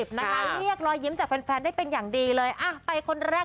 พี่ป่านฉันละพร